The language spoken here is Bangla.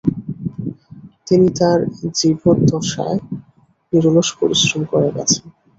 তিনি তাঁর জিবৎূদশায় নিরলস পরিশ্রম করে গেছেন।